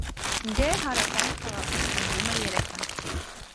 Դե հարավային քաղաքում ծնվում է երեխան։